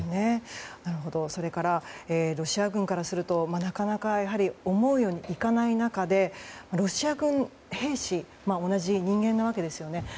それからロシア軍からするとなかなか思うようにいかない中でロシア軍兵士同じ人間なわけですよね。